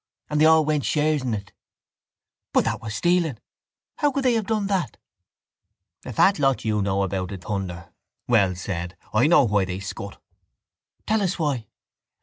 And they all went shares in it. —But that was stealing. How could they have done that? —A fat lot you know about it, Thunder! Wells said. I know why they scut. —Tell us why.